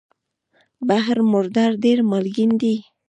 بحر مردار ډېر مالګین دی.